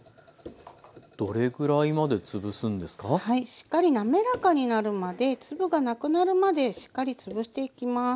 しっかり滑らかになるまで粒がなくなるまでしっかりつぶしていきます。